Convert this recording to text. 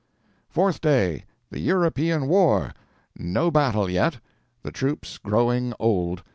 ..................... Fourth Day THE EUROPEAN WAR! NO BATTLE YET!! THE TROOPS GROWING OLD!